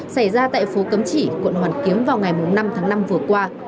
xảy ra tại phố cấm chỉ quận hoàn kiếm vào ngày năm tháng năm vừa qua